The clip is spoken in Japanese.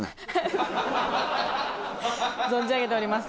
存じ上げております。